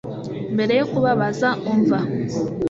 mbere yo kubabaza, umva